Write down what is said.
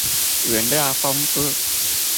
原料豐富